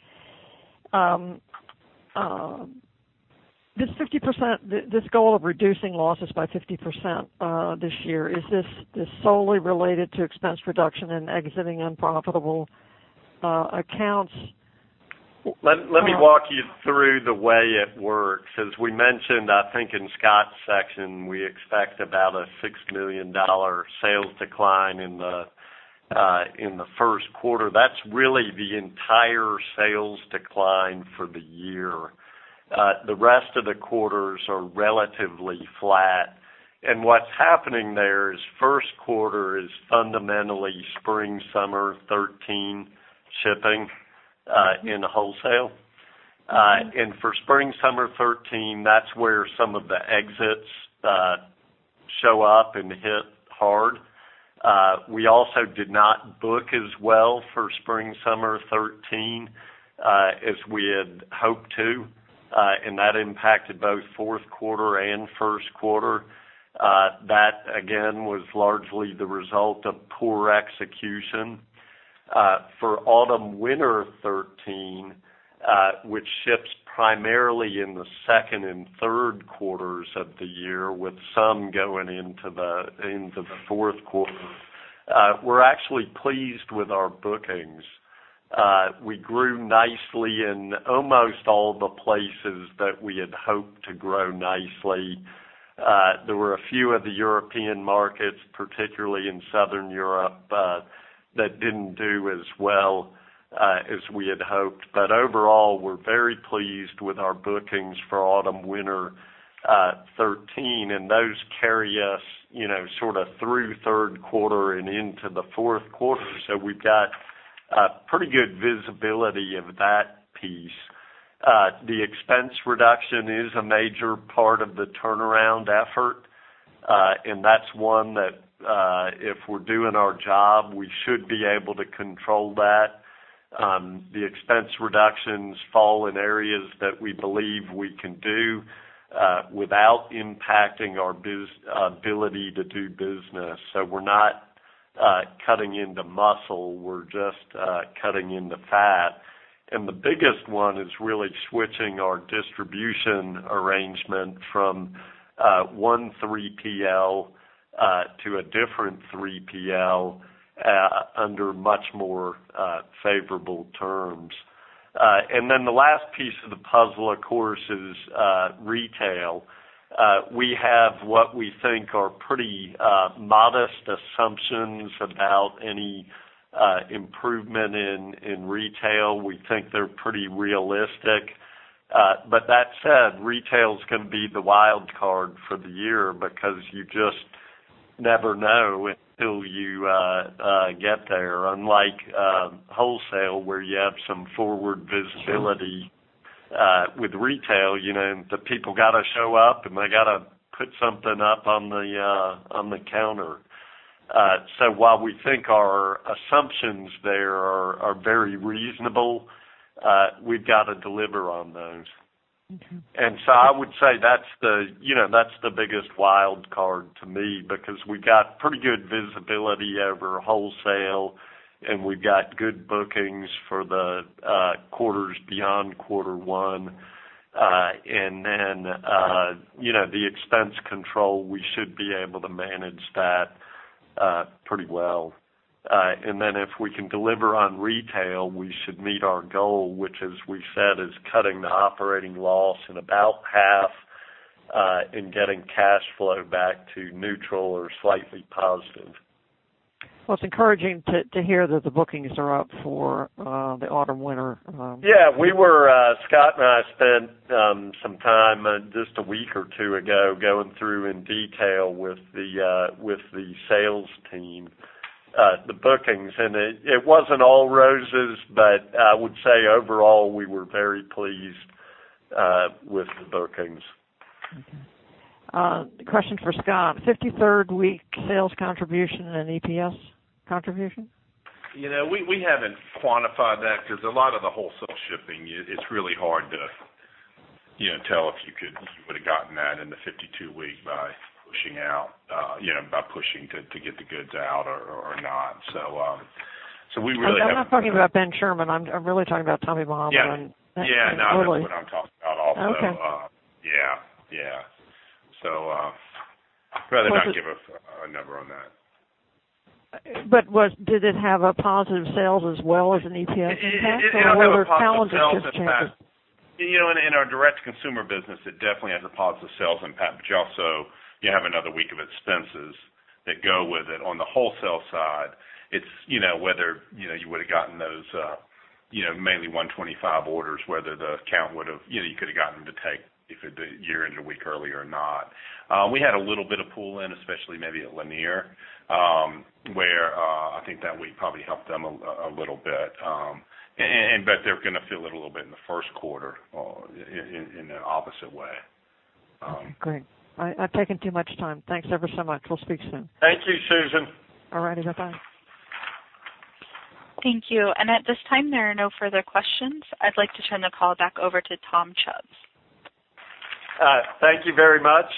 This goal of reducing losses by 50% this year, is this solely related to expense reduction and exiting unprofitable accounts? Let me walk you through the way it works. As we mentioned, I think in Scott's section, we expect about a $6 million sales decline in the first quarter. That's really the entire sales decline for the year. The rest of the quarters are relatively flat. What's happening there is first quarter is fundamentally spring/summer '13 shipping in wholesale. For spring/summer '13, that's where some of the exits show up and hit hard. We also did not book as well for spring/summer '13 as we had hoped to. That impacted both fourth quarter and first quarter. That, again, was largely the result of poor execution. For autumn/winter '13, which ships primarily in the second and third quarters of the year, with some going into the fourth quarter, we're actually pleased with our bookings. We grew nicely in almost all the places that we had hoped to grow nicely. There were a few of the European markets, particularly in Southern Europe, that didn't do as well as we had hoped. Overall, we're very pleased with our bookings for autumn/winter '13, and those carry us through third quarter and into the fourth quarter. We've got pretty good visibility of that piece. The expense reduction is a major part of the turnaround effort. That's one that if we're doing our job, we should be able to control that. The expense reductions fall in areas that we believe we can do without impacting our ability to do business. We're not cutting into muscle, we're just cutting into fat. The biggest one is really switching our distribution arrangement from one 3PL to a different 3PL under much more favorable terms. Then the last piece of the puzzle, of course, is retail. We have what we think are pretty modest assumptions about any improvement in retail. We think they're pretty realistic. That said, retail's going to be the wild card for the year because you just never know until you get there. Unlike wholesale, where you have some forward visibility, with retail, the people got to show up, and they got to put something up on the counter. While we think our assumptions there are very reasonable, we've got to deliver on those. I would say that's the biggest wild card to me because we got pretty good visibility over wholesale, we've got good bookings for the quarters beyond quarter one. The expense control, we should be able to manage that pretty well. If we can deliver on retail, we should meet our goal, which as we said, is cutting the operating loss in about half, and getting cash flow back to neutral or slightly positive. Well, it's encouraging to hear that the bookings are up for the autumn-winter. Yeah. Scott and I spent some time, just a week or two ago, going through in detail with the sales team, the bookings, and it wasn't all roses, but I would say overall, we were very pleased with the bookings. Okay. Question for Scott. 53rd week sales contribution and EPS contribution? We haven't quantified that because a lot of the wholesale shipping, it's really hard to tell if you would've gotten that in the 52 week by pushing to get the goods out or not. We really haven't. I'm not talking about Ben Sherman. I'm really talking about Tommy Bahama. Yeah. No, that's what I'm talking about also. Okay. Yeah. I'd rather not give a number on that. Did it have a positive sales as well as an EPS impact? Whether the trend is just faster. It had a positive sales impact. In our direct-to-consumer business, it definitely has a positive sales impact, you also have another week of expenses that go with it. On the wholesale side, it's whether you would've gotten those mainly 125 orders, whether the account you could've gotten them to take the year-end a week early or not. We had a little bit of pull-in, especially maybe at Lanier, where I think that week probably helped them a little bit. They're going to feel it a little bit in the first quarter in an opposite way. Okay, great. I've taken too much time. Thanks ever so much. We'll speak soon. Thank you, Susan. All righty. Bye. Thank you. At this time, there are no further questions. I'd like to turn the call back over to Tom Chubb. Thank you very much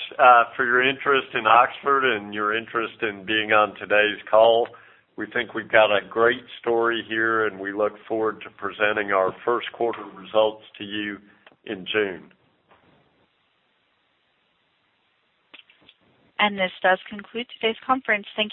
for your interest in Oxford and your interest in being on today's call. We think we've got a great story here, and we look forward to presenting our first quarter results to you in June. This does conclude today's conference. Thank you.